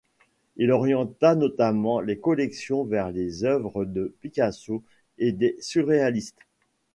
Il orienta notamment les collections vers les œuvres de Picasso et des surréalistes,